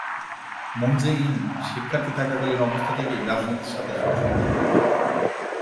Moon Jae in শিক্ষার্থী থাকাকালীন অবস্থা থেকেই রাজনীতির সাথে সম্পৃক্ত।